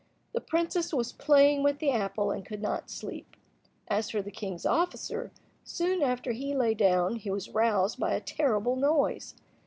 The princess was playing with the apple, and could not sleep. As for the king's officer, soon after he lay down he was roused by a terrible noise.